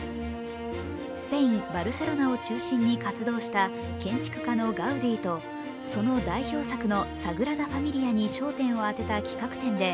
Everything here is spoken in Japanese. スペイン・バルセロナを中心に活動した建築家のガウディとその代表作のサグラダ・ファミリアに焦点を当てた企画展で